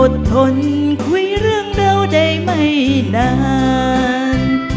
ทนคุยเรื่องเราได้ไม่นาน